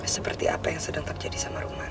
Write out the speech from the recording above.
seperti apa yang sedang terjadi sama rumah